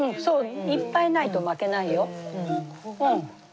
そういっぱいないと巻けないよ。